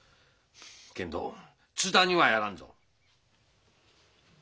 けんど津田にはやらんぞ。